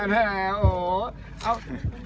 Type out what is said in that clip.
ไม่เป็นไร